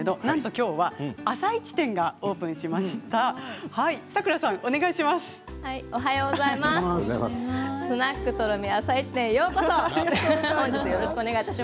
きょうは「あさイチ」店がオープンしました。